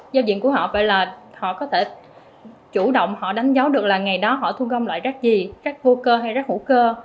giao diện của họ vậy là họ có thể chủ động họ đánh dấu được là ngày đó họ thu gom loại rác gì rác vô cơ hay rác hữu cơ